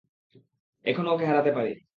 এখনও ওকে হারাতে পারি।